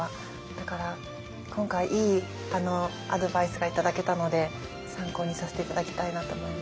だから今回いいアドバイスが頂けたので参考にさせて頂きたいなと思います。